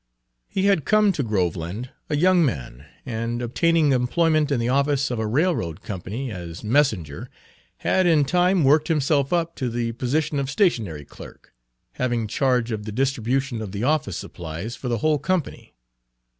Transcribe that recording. He had come to Groveland a young man, and obtaining employment in the office of a railroad company as messenger had in time worked himself up to the position of stationery clerk, having charge of the distribution of the office supplies for the whole company.